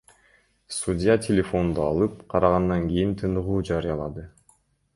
Судья телефонду алып, карагандан кийин тыныгуу жарыялады.